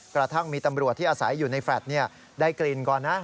กระทั่งมีตำรวจที่อาศัยอยู่ในแฟลตได้กลิ่นก่อนนะ